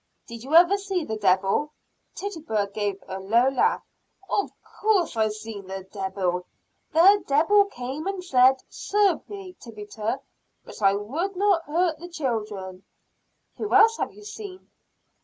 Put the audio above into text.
"Did you ever see the Devil?" Tituba gave a low laugh. "Of course I've seen the debbil. The debbil came an' said, 'Serb me, Tituba.' But I would not hurt the child'en." "Who else have you seen?"